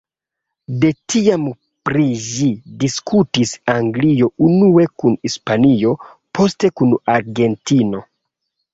De tiam pri ĝi disputis Anglio unue kun Hispanio, poste kun Argentino.